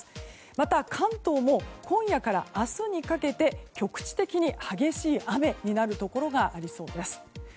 また、関東も今夜から明日にかけて局地的に激しい雨になるところがありそうです。